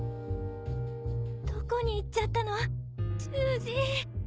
どこに行っちゃったの忠治。